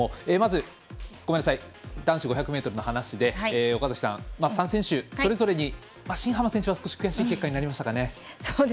まず、男子５００ｍの話で３選手、それぞれに新濱選手は少し悔しい結果になりましたかね。